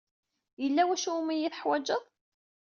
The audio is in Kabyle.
Yella wacu umi iyi-teḥwajed?